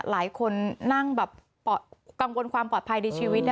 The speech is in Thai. หลายคนนั่งแบบกังวลความปลอดภัยในชีวิต